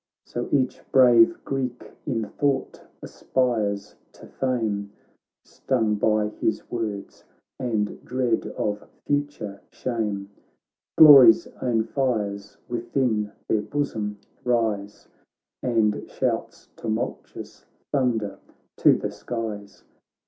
So each brave Greek in thought aspires to fame, Stung by his words, and dread of future shame ; Glory's own fires within their bosom rise, And shouts tumultuous thunder to the skies.